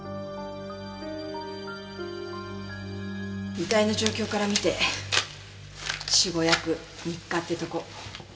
遺体の状況から見て死後約３日ってとこ。